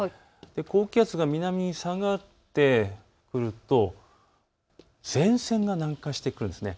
高気圧が南に下がってくると前線が南下してくるんです。